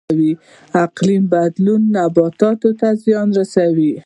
اقلیم بدلون نباتاتو ته زیان رسوي